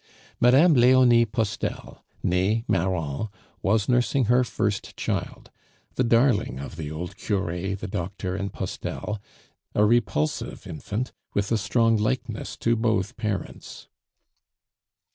Mme. Leonie Postel, nee Marron, was nursing her first child, the darling of the old cure, the doctor, and Postel, a repulsive infant, with a strong likeness to both parents.